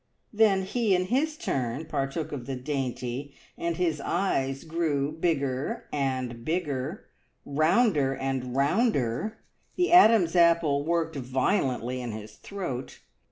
Then he in his turn partook of the dainty, and his eyes grew bigger and bigger, rounder and rounder, the Adam's apple worked violently in his throat.